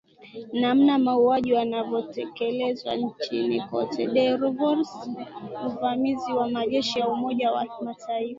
namna mauaji wanavyotekelezwa nchini cote de voire uvamizi wa majeshi ya umoja wa mataifa